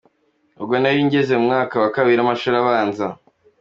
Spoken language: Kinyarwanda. Ubwo nari ngeze mu mwaka wa kabiri w’amashuri abanza.